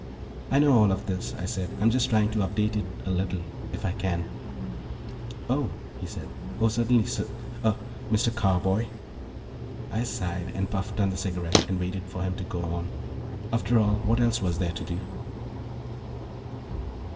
"I know all of this," I said. "I'm just trying to update it a little, if I can." "Oh," he said. "Oh, certainly, S ... uh ... Mr. Carboy." I sighed and puffed on the cigarette and waited for him to go on. After all, what else was there to do?